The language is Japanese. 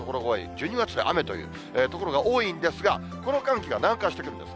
１２月で雨という所が多いんですが、この寒気が南下してくるんです。